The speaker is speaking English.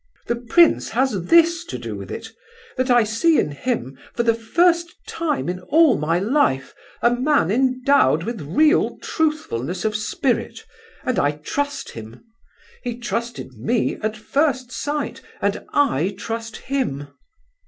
"The prince has this to do with it—that I see in him for the first time in all my life, a man endowed with real truthfulness of spirit, and I trust him. He trusted me at first sight, and I trust him!"